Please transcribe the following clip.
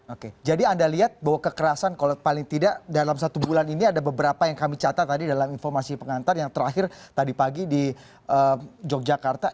oke jadi anda lihat bahwa kekerasan kalau paling tidak dalam satu bulan ini ada beberapa yang kami catat tadi dalam informasi pengantar yang terakhir tadi pagi di yogyakarta